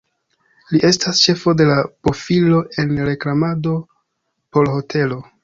Li estas ĉefo de la bofilo en reklamado por hotelo.